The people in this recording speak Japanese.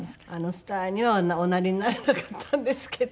スターにはおなりになれなかったんですけど。